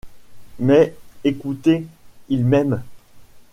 Mais, écoutez, il m’aime.